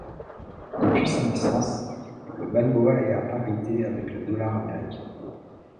Depuis sa naissance, le balboa est à parité avec le dollar américain.